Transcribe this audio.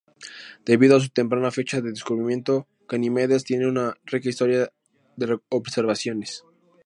Debido a su temprana fecha de descubrimiento, Ganimedes tiene una rica historia de observaciones.